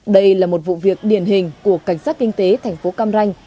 đây là một vụ việc điển hình của cảnh sát kinh tế thành phố cam ranh